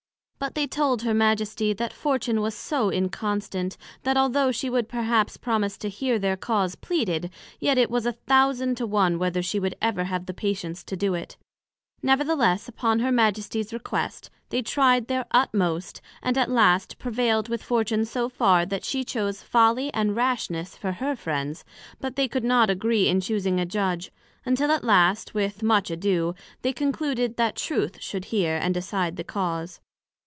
But they told her Majesty, That Fortune was so inconstant, that although she would perhaps promise to hear their Cause pleaded, yet it was a thousand to one, whether she would ever have the patience to do it: Nevertheless, upon Her Majestie's request, they tried their utmost, and at last prevailed with Fortune so far, that she chose Folly and Rashness, for her Friends, but they could not agree in chusing a Judg; until at last, with much ado, they concluded, that Truth should hear, and decide the cause.